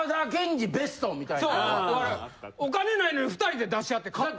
お金ないのに２人で出し合って買った。